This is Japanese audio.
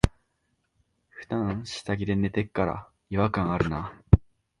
ふだん下着で寝てっから、違和感あるな。